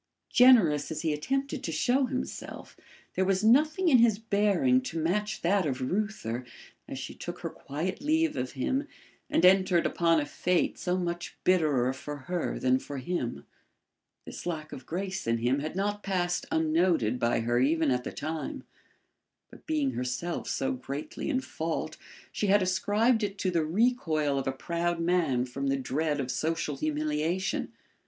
Generous as he attempted to show himself, there was nothing in his bearing to match that of Reuther as she took her quiet leave of him and entered upon a fate so much bitterer for her than for him. This lack of grace in him had not passed unnoted by her even at the time, but being herself so greatly in fault she had ascribed it to the recoil of a proud man from the dread of social humiliation.